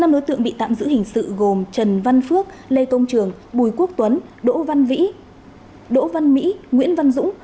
năm đối tượng bị tạm giữ hình sự gồm trần văn phước lê công trường bùi quốc tuấn đỗ văn mỹ nguyễn văn dũng